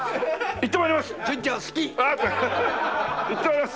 行って参ります！